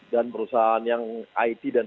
dan perusahaan yang it dan